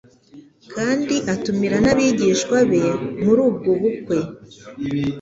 kandi atumira n'abigishwa be muri ubwo bukwe.